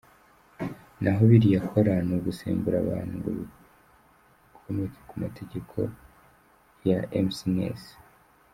Naho biriya akora ni ugusembura abantu ngo bigomeke ku mategeko y’Imsns.